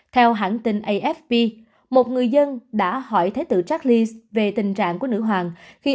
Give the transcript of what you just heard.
theo hãng tin afp một người dân đã hỏi thái tử charles về tình trạng của nữ hoàng khi